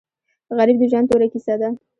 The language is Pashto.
غریب د ژوند توره کیسه ده